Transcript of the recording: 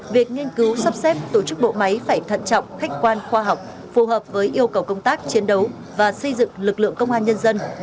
việc nghiên cứu sắp xếp tổ chức bộ máy phải thận trọng khách quan khoa học phù hợp với yêu cầu công tác chiến đấu và xây dựng lực lượng công an nhân dân